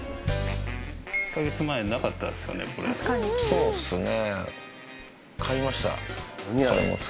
そうっすね。